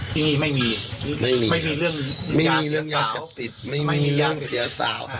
ที่นี่ไม่มีไม่มีเรื่องไม่มีเรื่องยาเสพติดไม่มีเรื่องเสียสาว